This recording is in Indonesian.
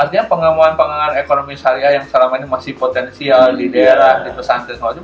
artinya pengamuan pengamuan ekonomi syariah yang selama ini masih potensial di daerah di pesantren